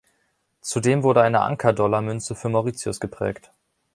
Zudem wurde eine Anker-Dollar-Münze für Mauritius geprägt.